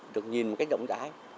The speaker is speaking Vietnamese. được nhìn một cách rộng rãi